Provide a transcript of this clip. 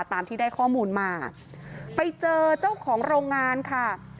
ตามที่ได้ข้อมูลมาไปเจอเจ้าของโรงงานค่ะ